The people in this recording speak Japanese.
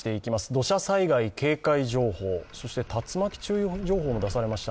土砂災害警戒情報、そして竜巻注意情報も出されました。